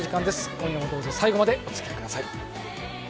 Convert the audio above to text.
今夜もどうぞ最後までおつきあいください。